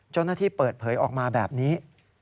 เจ้าหน้าที่เปิดเผยออกมาแบบนี้